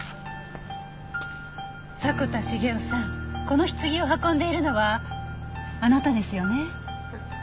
迫田茂夫さんこの棺を運んでいるのはあなたですよね？